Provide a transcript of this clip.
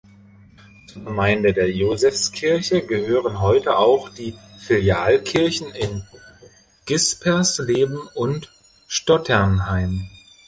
Zur Gemeinde der Josefskirche gehören heute auch die Filialkirchen in Gispersleben und Stotternheim.